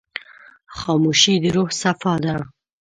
خاموشي، د روح صفا ده.